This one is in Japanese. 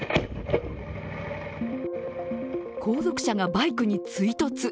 後続車がバイクに追突。